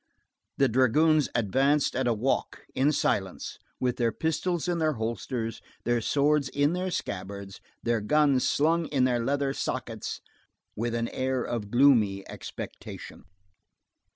The dragoons advanced at a walk, in silence, with their pistols in their holsters, their swords in their scabbards, their guns slung in their leather sockets, with an air of gloomy expectation.